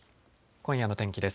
今夜の天気です。